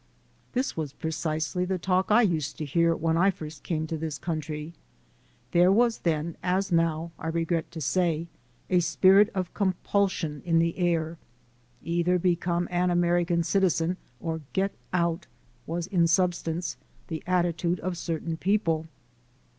This was precisely the talk I used to hear when I first came to this country. There was then as now, I regret to say, a spirit of compulsion in the air. "Either become an American citizen or get out," was in substance the attitude of certain people.